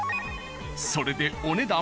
それでお値段。